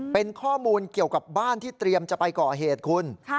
เป็นข้อมูลเกี่ยวกับบ้านที่เตรียมจะไปก่อเหตุคุณ